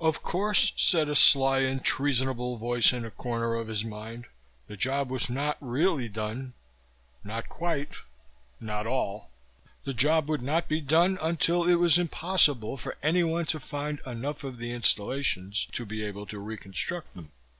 Of course, said a sly and treasonable voice in a corner of his mind, the job was not really done. Not quite. Not all. The job would not be done until it was impossible for anyone to find enough of the installations to be able to reconstruct them.